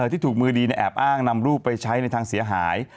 ที่ถูกมือดีแอบอ้างนำรูปไปใช้ในทางเสียหาย